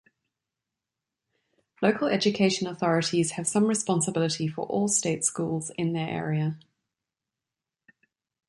Local education authorities have some responsibility for all state schools in their area.